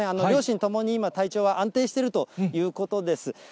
両親ともに今、体調は安定しているということです。